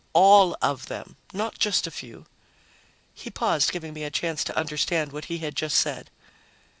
All of them, not just a few." He paused, giving me a chance to understand what he had just said.